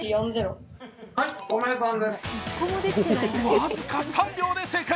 僅か３秒で正解。